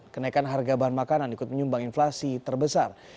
kenaikan harga bahan makanan ikut menyumbang inflasi terbesar